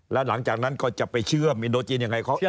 แล้วหลังจากนั้นก็จะไปเชื่อมินโดจีนยังไง